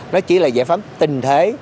nó chỉ là giải pháp tình thế